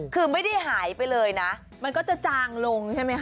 คือไม่ได้หายไปเลยนะมันก็จะจางลงใช่ไหมคะ